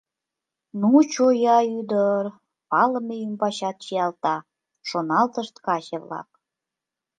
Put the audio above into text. «Ну, чоя ӱдыр, палыме ӱмбачат чиялта», — шоналтышт каче-влак.